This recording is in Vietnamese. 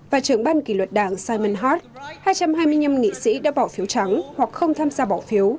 và trưởng ban kỷ luật đảng simon hack hai trăm hai mươi năm nghị sĩ đã bỏ phiếu trắng hoặc không tham gia bỏ phiếu